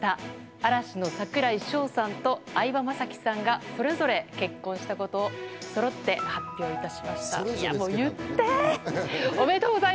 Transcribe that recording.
嵐の櫻井翔さんと相葉雅紀さんがそれぞれ結婚したことをそろって発表いたしました。